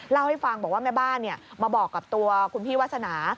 เล่าให้ฟังบอกว่าแม่บ้านมาบอกกับตัวคุณพี่วาสนา